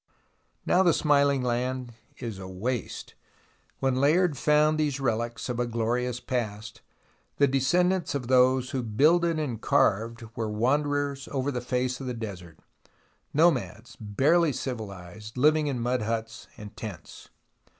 Now the smiling land is a waste. When Layard found these relics of a glorious past, the descendants of those who builded and carved were wanderers over the face of the desert, nomads, barely civilized, living in mud huts and tents